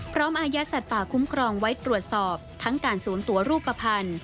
อายัดสัตว์ป่าคุ้มครองไว้ตรวจสอบทั้งการสวมตัวรูปภัณฑ์